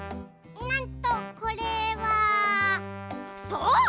なんとこれはそう！